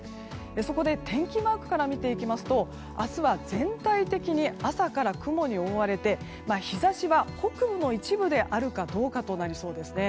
そこで、天気マークから見ていきますと明日は全体的に朝から雲に覆われて日差しは北部の一部であるかどうかとなりそうです。